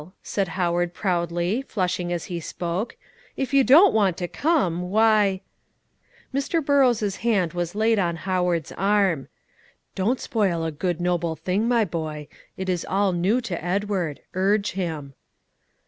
said Howard proudly, flushing as he spoke; "if you don't want to come, why" Mr. Burrows' hand was laid on Howard's arm. "Don't spoil a good, noble thing, my boy. It is all new to Edward; urge him."